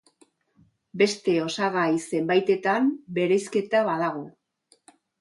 Beste osagai zenbaitetan bereizketa badago.